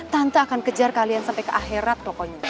tante akan kejar kalian sampai ke akhirat pokoknya